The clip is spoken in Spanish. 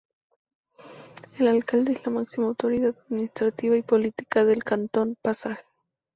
El Alcalde es la máxima autoridad administrativa y política del Cantón Pasaje.